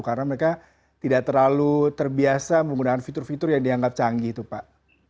karena mereka tidak terlalu terbiasa menggunakan fitur fitur yang dianggap canggih itu pak